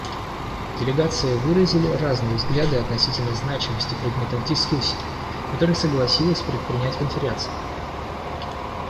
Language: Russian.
Делегации выразили разные взгляды относительно значимости предметных дискуссий, которые согласилась предпринять Конференция.